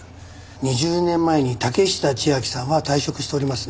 ２０年前に竹下千晶さんは退職しておりますね。